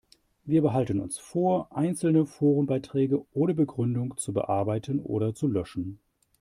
Wir behalten uns vor, einzelne Forenbeiträge ohne Begründung zu bearbeiten oder zu löschen.